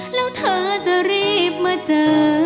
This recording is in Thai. แล้วเธอจะรีบมาเจอ